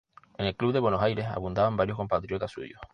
En el club de Buenos Aires abundaban varios compatriotas suyos.